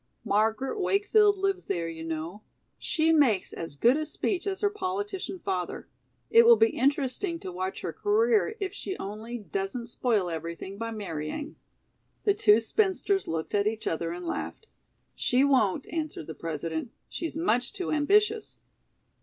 Margaret Wakefield lives there, you know. She makes as good a speech as her politician father. It will be interesting to watch her career if she only doesn't spoil everything by marrying." The two spinsters looked at each other and laughed. "She won't," answered the President. "She's much too ambitious."